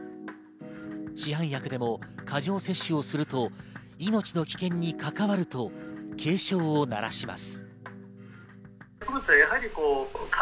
市販薬でも過剰摂取をすると命の危険に関わると警鐘を鳴らします。